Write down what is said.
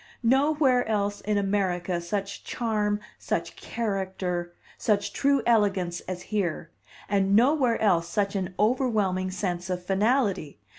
Nowhere else in America such charm, such character, such true elegance as here and nowhere else such an overwhelming sense of finality!